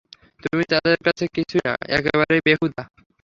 তুমি তাদের কাছে কিছুই না, একেবারেই বেহুদা?